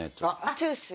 トゥースは？